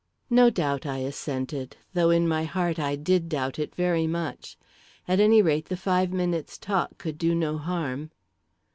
"No doubt," I assented, though in my heart I did doubt it very much. At any rate, the five minutes' talk could do no harm.